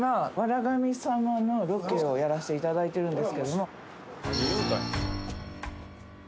神様のロケをやらせていただいてるんですけれども。